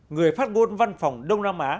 người phát ngôn văn phòng đông nam á